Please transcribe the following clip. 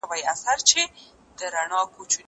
موبایل د زده کوونکي له خوا کارول کيږي!؟